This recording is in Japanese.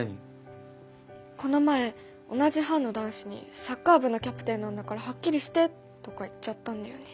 この前同じ班の男子に「サッカー部のキャプテンなんだからはっきりして」とか言っちゃったんだよね。